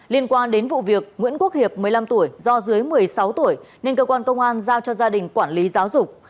liên quan đến vụ việc nguyễn quốc hiệp một mươi năm tuổi do dưới một mươi sáu tuổi nên cơ quan công an giao cho gia đình quản lý giáo dục